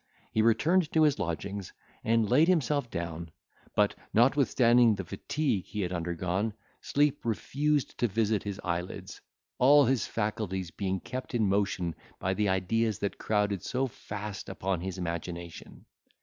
He returned to his lodgings, and laid himself down; but, notwithstanding the fatigue he had undergone, sleep refused to visit his eyelids, all his faculties being kept in motion by the ideas that crowded so fast upon his imagination.